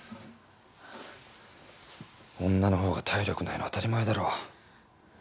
女の方が体力ないの当たり前だろ。